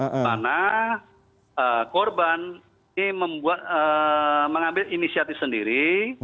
karena korban ini mengambil inisiatif sendiri